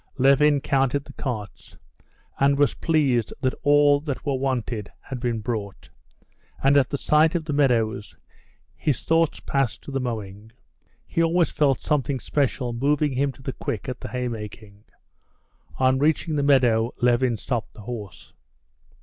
Levin counted the carts, and was pleased that all that were wanted had been brought, and at the sight of the meadows his thoughts passed to the mowing. He always felt something special moving him to the quick at the hay making. On reaching the meadow Levin stopped the horse.